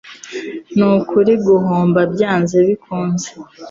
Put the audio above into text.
Nkukuri, guhomba byanze bikunze.